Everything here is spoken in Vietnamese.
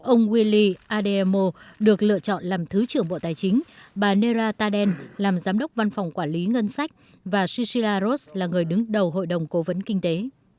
ông wily ademo được lựa chọn làm thứ trưởng bộ tài chính bà nera taden làm giám đốc văn phòng quản lý ngân sách và shisira ross là người đứng đầu hội đồng cố vấn kinh tế